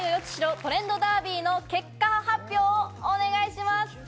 トレンドダービー」の結果発表をお願いします。